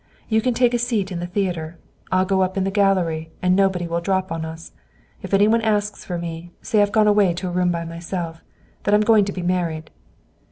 You can take a seat in the theater. I'll go up in the gallery, and nobody will drop on us. If any one asks for me, say I've gone away by myself to room. That I'm going to be married."